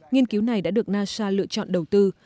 nghiên cứu này đã được nasa lựa chọn đầu tư